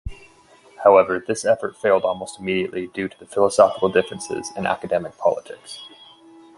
However, this effort failed almost immediately due to philosophical differences and academic politics.